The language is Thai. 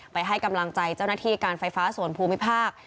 ให้กำลังใจเจ้าหน้าที่การไฟฟ้าส่วนภูมิภาค